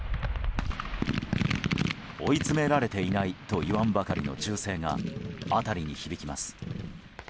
追い詰められていないと言わんばかりの銃声が辺りに響きます。